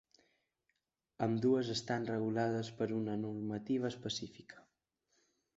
Ambdues estan regulades per una normativa específica.